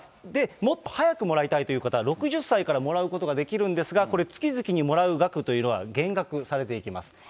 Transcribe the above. もっと早くもらいたいという方は、６０歳からもらうことができるんですが、これ、月々にもらう額というのが減額されていきます。